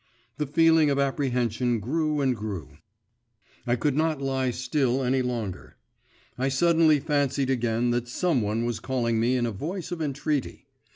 The feeling of apprehension grew and grew; I could not lie still any longer; I suddenly fancied again that some one was calling me in a voice of entreaty.